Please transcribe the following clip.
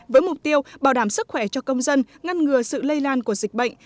với mục tiêu bảo đảm sức khỏe cho công dân ngăn ngừa sự lây lan của dịch bệnh